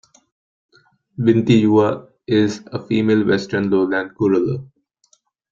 Binti Jua is a female western lowland gorilla.